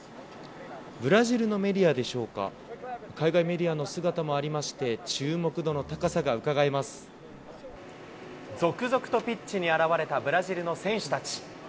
ブラジルのメディアでしょうか、海外メディアの姿もありまして、続々とピッチに現れたブラジルの選手たち。